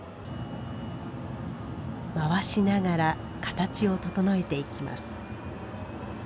回しながら形を整えていきます。